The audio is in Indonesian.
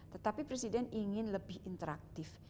tetapi presiden ingin lebih interaktif